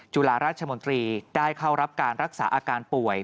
จุฬาราชมนตรีได้เข้ารับการรักษาอาการป่วย